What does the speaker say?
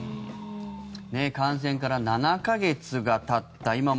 感染から７か月がたった今も